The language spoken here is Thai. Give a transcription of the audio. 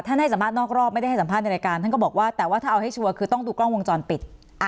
ให้สัมภาษณ์นอกรอบไม่ได้ให้สัมภาษณ์ในรายการท่านก็บอกว่าแต่ว่าถ้าเอาให้ชัวร์คือต้องดูกล้องวงจรปิด